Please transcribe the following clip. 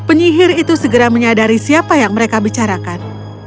penyihir itu segera menyadari siapa yang mereka bicarakan